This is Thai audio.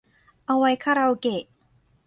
เอาไว้คาราโอเกะ